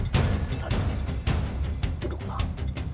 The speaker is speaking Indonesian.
tidak tuhan tidak tuhan